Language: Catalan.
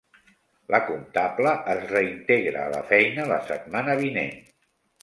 La comptable es reintegra a la feina la setmana vinent.